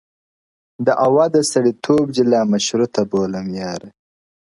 • دعوه د سړيتوب دي لا مشروطه بولمیاره ,